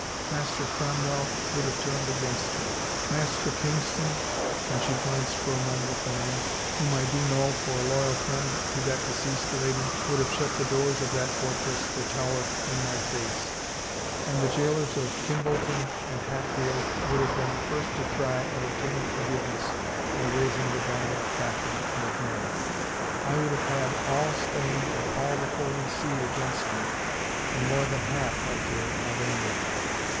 Master Cromwell would have turned against me; Master Kingston," and she glanced for a moment at the man, " whom I do know for a loyal friend to that deceased lady, would have shut the doors of that fortress, the Tower, in my face, and the jailers of Kimbolton and Hatfield would have been the first to try and obtain forgiveness by raising the ban ner of Catherine and of Mary. I would have had all Spain and all the Holy See against me, and more than half, I fear, of England.